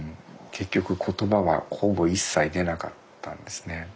結局言葉はほぼ一切出なかったんですね。